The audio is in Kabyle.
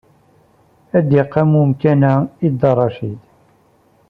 Ad d-iqam umkan-a i Dda Racid.